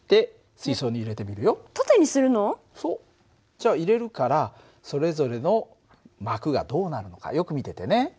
じゃあ入れるからそれぞれの膜がどうなるのかよく見ててね。